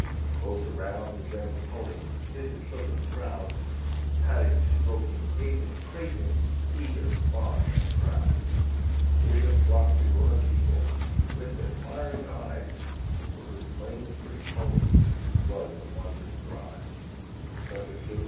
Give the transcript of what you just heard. Close around the gentle pony Did the children crowd, Patting, stroking, gazing, praising, Eager, fond, and proud. Near them flocked the grown up people, With admiring eyes. For 'twas plain the pretty pony Was a wondrous prize. Such a shape!